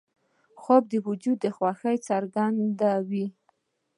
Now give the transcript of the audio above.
خوب د وجود خوښي څرګندوي